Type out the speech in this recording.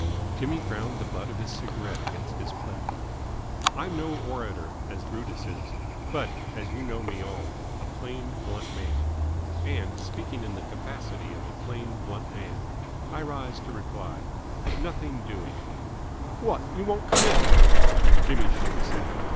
Jimmy ground the butt of his cigarette against his plate. "I'm no orator, as Brutus is; but, as you know me all, a plain, blunt man. And, speaking in the capacity of a plain, blunt man, I rise to reply Nothing doing." "What? You won't come in?" Jimmy shook his head.